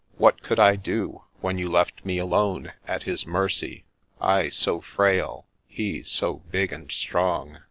What could I do, when you left me alone, at his mercy — I so frail, he so big and strong?"